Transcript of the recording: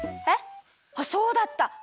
あっそうだった！